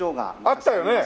あったよね？